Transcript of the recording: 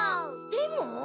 でも？